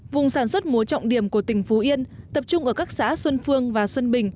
vùng sản xuất mùa trọng điểm của tỉnh phú yên tập trung ở các xã xuân phương và xuân bình